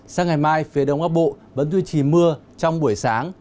sáng ngày mai phía đông bắc bộ vẫn duy trì mưa trong buổi sáng